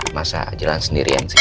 masa jalan sendirian sih